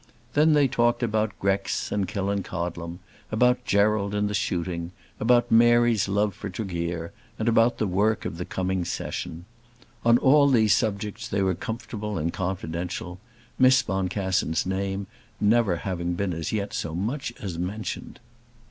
Then they talked about Grex, and Killancodlem, about Gerald and the shooting, about Mary's love for Tregear, and about the work of the coming Session. On all these subjects they were comfortable and confidential, Miss Boncassen's name never having been as yet so much as mentioned.